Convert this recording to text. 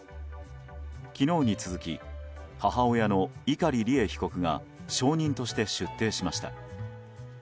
昨日に続き、母親の碇利恵被告が証人として出廷しました。